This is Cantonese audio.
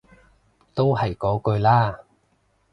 都係嗰句啦